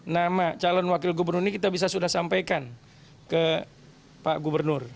nama calon wakil gubernur ini kita bisa sudah sampaikan ke pak gubernur